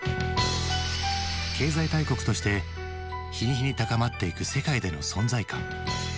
経済大国として日に日に高まっていく世界での存在感。